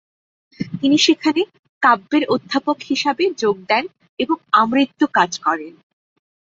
তিনি সেখানে কাব্যের অধ্যাপক হিসাবে যোগ দেন এবং আমৃত্যু কাজ করেন।